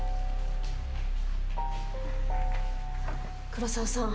黒澤さん。